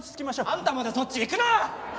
あんたまでそっち行くな！